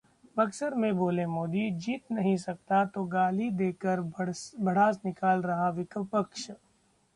बक्सर में बोले मोदी- जीत नहीं सकता तो गाली देकर भड़ास निकाल रहा विपक्ष